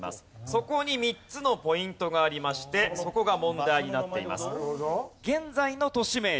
そこに３つのポイントがありましてそこが問題になっています。